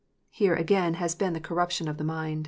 Here, again, has been the " corruption of the mind."